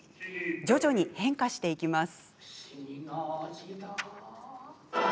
徐々に変化していきます。